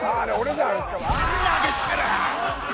投げつける！